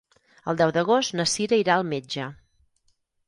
El deu d'agost na Cira irà al metge.